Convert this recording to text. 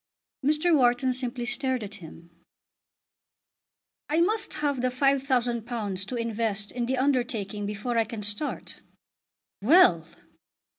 Mr. Wharton simply stared at him. "I must have the £5000 to invest in the undertaking before I can start." "Well!"